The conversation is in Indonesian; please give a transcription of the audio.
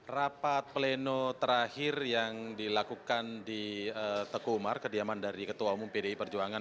rapat pleno terakhir yang dilakukan di teguh umar kediaman dari ketua umum pdi perjuangan